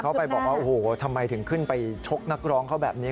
เขาไปบอกว่าโอ้โหทำไมถึงขึ้นไปชกนักร้องเขาแบบนี้